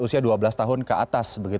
usia dua belas tahun ke atas